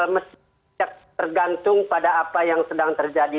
mesti tergantung pada apa yang sedang terjadi